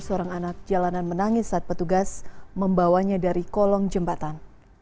seorang anak jalanan menangis saat petugas membawanya dari kolong jembatan